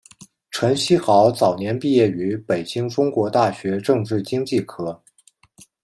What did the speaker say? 陈希豪早年毕业于北京中国大学政治经济科。